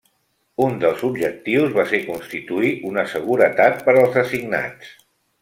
Un dels objectius va ser constituir una seguretat per als assignats.